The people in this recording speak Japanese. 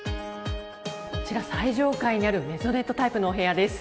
こちら、最上階にあるメゾネットタイプのお部屋です。